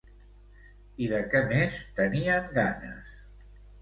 I de què més tenien ganes?